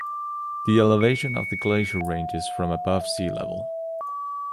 The elevation of the glacier ranges from above sea level.